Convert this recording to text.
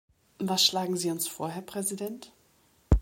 Was schlagen Sie uns vor, Herr Präsident?